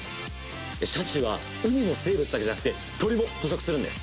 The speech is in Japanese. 「シャチは海の生物だけじゃなくて鳥も捕食するんです」